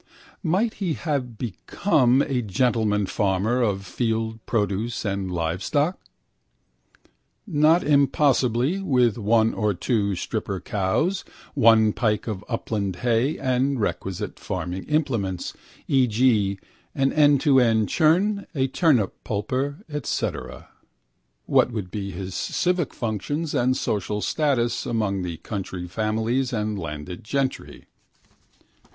Might he become a gentleman farmer of field produce and live stock? Not impossibly, with 1 or 2 stripper cows, 1 pike of upland hay and requisite farming implements, e.g., an end to end churn, a turnip pulper etc. What would be his civic functions and social status among the county families and landed gentry?